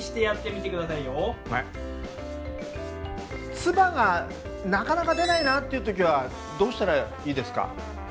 唾がなかなか出ないなっていう時はどうしたらいいですか？